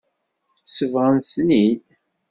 Sebɣen-ten-id.